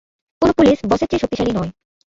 কোনো পুলিশ বসের চেয়ে শক্তিশালী নয়।